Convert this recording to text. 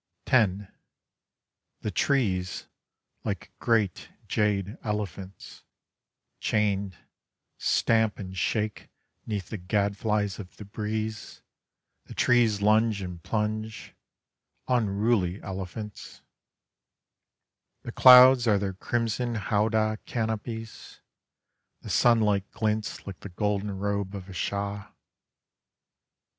X The trees, like great jade elephants, Chained, stamp and shake 'neath the gadflies of the breeze The trees lunge and plunge, unruly elephants: The clouds are their crimson howdah canopies, The sunlight glints like the golden robe of a Shah.